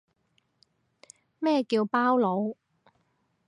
咩叫包佬